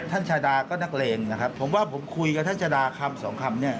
ชาดาก็นักเลงนะครับผมว่าผมคุยกับท่านชาดาคำสองคำเนี่ย